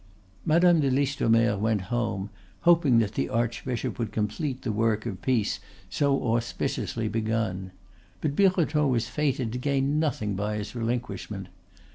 Madame de Listomere went home, hoping that the archbishop would complete the work of peace so auspiciously begun. But Birotteau was fated to gain nothing by his relinquishment.